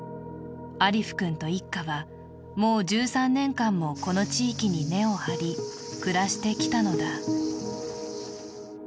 アリフ君と一家はもう１３年もこの地に根を張り暮らしてきたのだ。